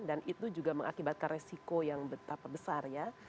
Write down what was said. dan itu juga mengakibatkan resiko yang betapa besar ya